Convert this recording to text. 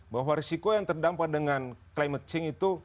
bahwa risiko yang terdampak dengan climate change itu